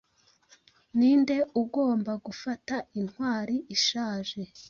Ninde ugomba gufata intwari ishaje